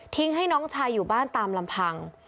ให้น้องชายอยู่บ้านตามลำพัง